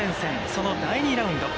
その第２ラウンド。